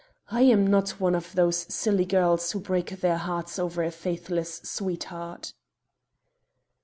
I am not one of those silly girls who break their hearts over a faithless sweetheart."